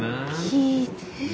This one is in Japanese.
聞いてよ。